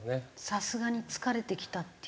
さすがに疲れてきたっていう。